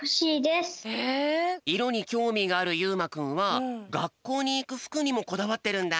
いろにきょうみがあるゆうまくんはがっこうにいくふくにもこだわってるんだ。